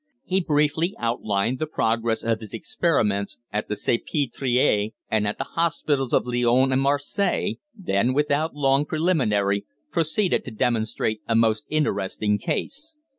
He briefly outlined the progress of his experiments at the Salpêtrière, and at the hospitals of Lyons and Marseilles, then without long preliminary, proceeded to demonstrate a most interesting case.